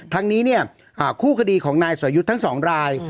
ทั้งนี้คู่คดีของนายสอยุทธ์ทั้ง๒ราย